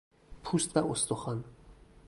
پوست و استخوان